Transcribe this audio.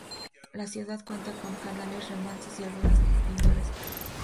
La ciudad cuenta con canales, remansos y lagunas pintorescas.